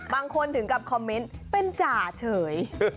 บางคนถึงกับคอมมิ้นท์เป็นจ่าเฉย